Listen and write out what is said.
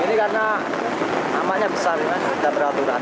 ini karena amaknya besar dan beraturan